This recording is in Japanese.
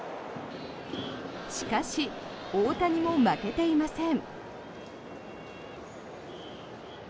しかし、大谷も負けていません。